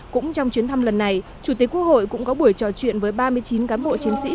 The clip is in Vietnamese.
cũng trong chuyến thăm lần này chủ tịch quốc hội cũng có buổi trò chuyện với ba mươi chín cán bộ chiến sĩ